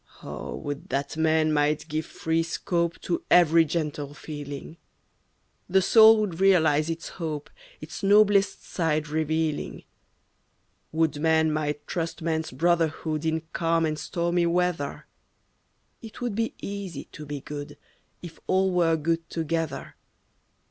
Oh, would that man might give free scope To every gentle feeling! The soul would realize its hope Its noblest side revealing. Would man might trust man's brotherhood In calm and stormy weather. It would be easy to be good If all were good together.